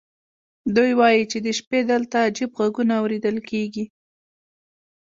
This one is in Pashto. دوی وایي چې د شپې دلته عجیب غږونه اورېدل کېږي.